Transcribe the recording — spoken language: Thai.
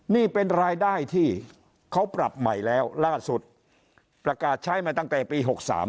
นี่เป็นรายได้ที่เขาปรับใหม่แล้วล่าสุดประกาศใช้มาตั้งแต่ปี๖๓